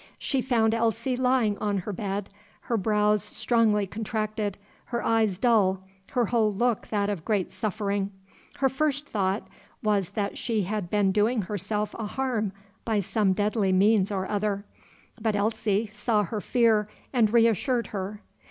She found Elsie lying on her bed, her brows strongly contracted, her eyes dull, her whole look that of great suffering. Her first thought was that she had been doing herself a harm by some deadly means or other. But Elsie, saw her fear, and reassured her.